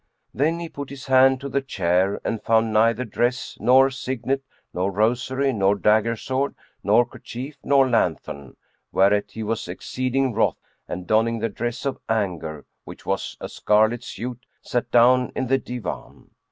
Then he put his hand to the chair and found neither dress nor signet nor rosary nor dagger sword nor kerchief nor lanthorn; whereat he was exceeding wroth and donning the dress of anger, which was a scarlet suit,[FN#96] sat down in the Divan.